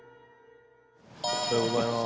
おはようございます。